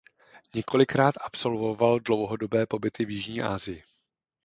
Několikrát absolvoval dlouhodobé pobyty v jižní Asii.